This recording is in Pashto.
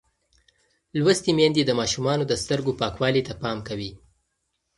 لوستې میندې د ماشومانو د سترګو پاکوالي ته پام کوي.